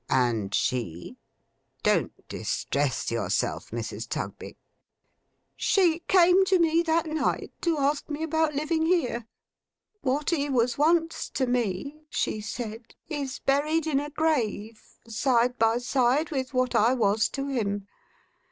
'And she?—Don't distress yourself, Mrs. Tugby.' 'She came to me that night to ask me about living here. "What he was once to me," she said, "is buried in a grave, side by side with what I was to him.